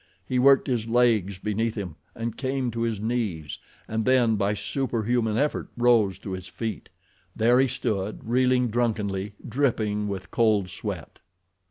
He worked his legs beneath him and came to his knees, and then, by superhuman effort, rose to his feet. There he stood, reeling drunkenly, dripping with cold sweat.